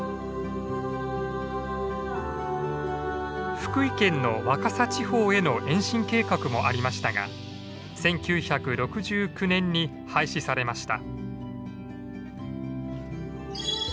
福井県の若狭地方への延伸計画もありましたが１９６９年に廃止されました。